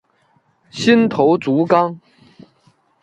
新头足纲。